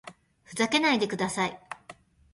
ふざけないでください